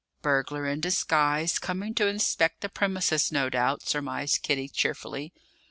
"Burglar in disguise, coming to inspect the premises, no doubt," surmised Kitty cheerfully.